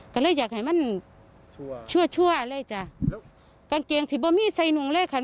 ที่สุดท้ายรู้สึกจะเกิดทีใดปงครี่